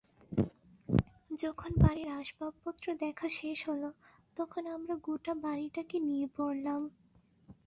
যখন বাড়ির আসবাবপত্র দেখা শেষ হল তখন আমরা গোটা বাড়িটাকে নিয়ে পড়লাম।